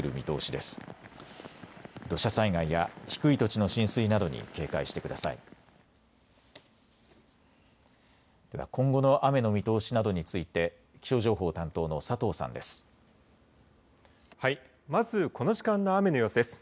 では今後の雨の見通しなどについて気象情報担当の佐藤さんです。